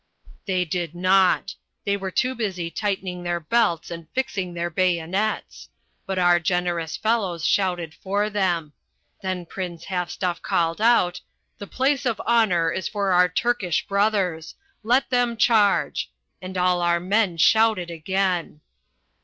"They did not. They were too busy tightening their belts and fixing their bayonets. But our generous fellows shouted for them. Then Prinz Halfstuff called out, 'The place of honour is for our Turkish brothers. Let them charge!' And all our men shouted again."